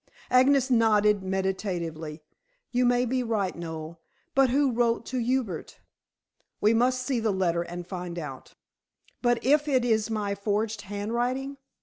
Agnes nodded meditatively. "You may be right, Noel. But who wrote to Hubert?" "We must see the letter and find out." "But if it is my forged handwriting?"